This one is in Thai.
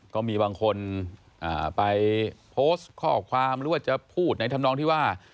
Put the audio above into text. ก็มีบางคนไปโพสต์ข้อความหรือว่าจะพูดในธรรมนองที่ว่า